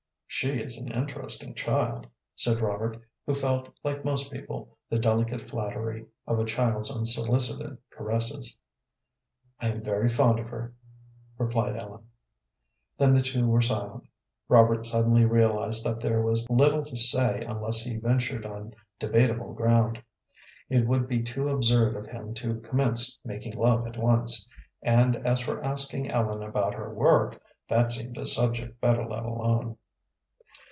"She is an interesting child," said Robert, who felt, like most people, the delicate flattery of a child's unsolicited caresses. "I am very fond of her," replied Ellen. Then the two were silent. Robert suddenly realized that there was little to say unless he ventured on debatable ground. It would be too absurd of him to commence making love at once, and as for asking Ellen about her work, that seemed a subject better let alone.